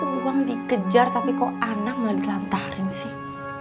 uang dikejar tapi kok anak malah dilantarin sih